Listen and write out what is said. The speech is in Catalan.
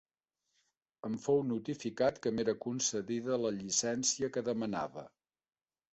Em fou notificat que m'era concedida la llicència que demanava.